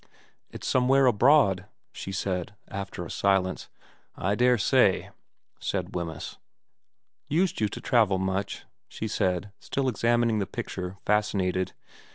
...' It's somewhere abroad,' she said, after a silence. ' I daresay/ said Wemyss. ' Used you to travel much ?' she asked, still examining the picture, fascinated.